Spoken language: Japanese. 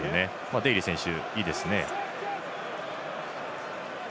デイリー選手いいですね。